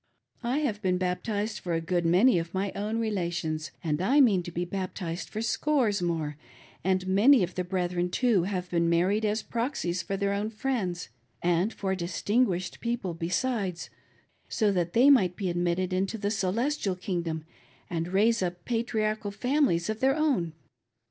I have been baptized for a good many of my own relations, and I mean to be bap tized for scores more ; and many of the brethren, too, have been married as proxies for their own friends, and for distin guished people besides, so that they might be admitted into the celestial kingdom and raise up patriarchal families of their own.